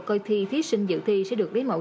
coi thi thí sinh dự thi sẽ được lấy mẫu